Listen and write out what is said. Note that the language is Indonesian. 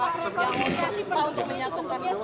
pak untuk menyatukan warga yang sekarang terpecah